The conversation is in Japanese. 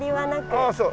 ああそう。